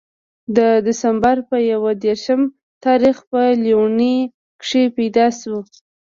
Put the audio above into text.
د دسمبر پۀ يو ديرشم تاريخ پۀ ليلوڼۍ کښې پېداشو